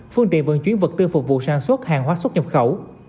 phương tiện vận chuyển vật tư phục vụ sản xuất hàng hóa xuất nhập khẩu